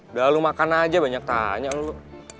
udah lu makan aja banyak tanya lu